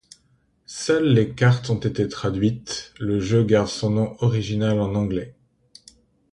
Seules les cartes ont été traduites, le jeu garde son nom original en anglais.